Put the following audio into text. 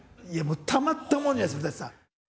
たまったもんじゃないです古さん。